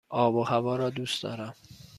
آب و هوا را دوست دارم.